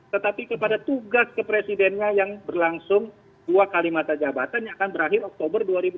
tetapi kepada tugas kepresidennya yang berlangsung dua kalimatajabatan yang akan berakhir oktober dua ribu dua puluh empat